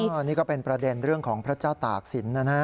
อันนี้ก็เป็นประเด็นเรื่องของพระเจ้าตากศิลป์นะฮะ